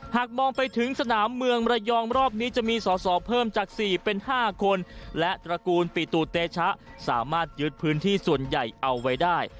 หากมองไปถึงสนามเมืองระยองรอบนี้จะมีสอสอเพิ่มจาก๔เป็น๕คนและตระกูลปิตุเตชะสามารถยึดพื้นที่ส่วนใหญ่เอาไว้ได้